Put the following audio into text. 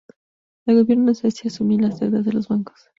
El gobierno de Suecia asumió las deudas de los bancos.